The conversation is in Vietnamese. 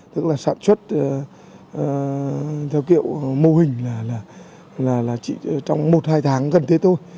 tức là sản xuất theo kiểu mô hình là chỉ trong một hai tháng gần thế thôi